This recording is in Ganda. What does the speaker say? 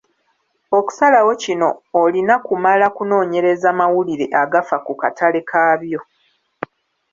Okusalawo kino olina kumala kunoonyereza mawulire agafa ku katale kabyo.